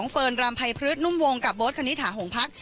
เฟิร์นรำไพพฤษนุ่มวงกับโบ๊ทคณิตถาหงพัก